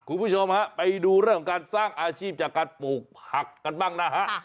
คุณผู้ชมฮะไปดูเรื่องของการสร้างอาชีพจากการปลูกผักกันบ้างนะฮะ